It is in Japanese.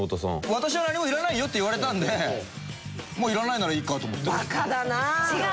「私は何もいらないよ」って言われたのでいらないならいいかと思って。